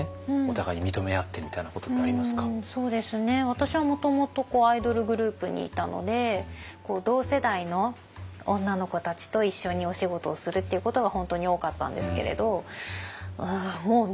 私はもともとアイドルグループにいたので同世代の女の子たちと一緒にお仕事をするっていうことが本当に多かったんですけれどもうみんな尊敬ですね。